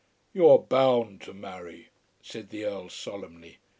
"You are bound to marry," said the Earl solemnly.